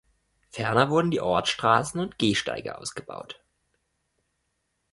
Ferner wurden die Ortsstraßen und Gehsteige ausgebaut.